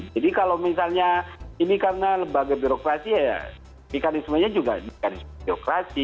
jadi kalau misalnya ini karena lembaga birokrasi ya dikalismenya juga dikalismenya birokrasi